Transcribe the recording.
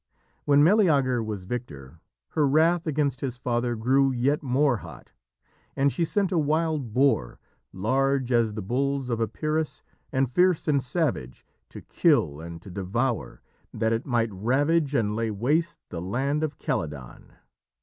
When Meleager was victor, her wrath against his father grew yet more hot, and she sent a wild boar, large as the bulls of Epirus, and fierce and savage to kill and to devour, that it might ravage and lay waste the land of Calydon.